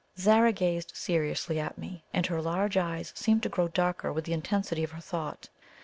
Zara gazed seriously at me, and her large eyes seemed to grow darker with the intensity of her thought.